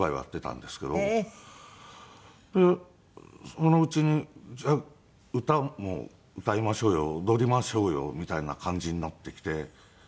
そのうちに歌も歌いましょうよ踊りましょうよみたいな感じになってきて。